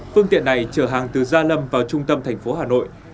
phương tiện này chở hàng từ gia lâm vào trung tâm thành phố hà nội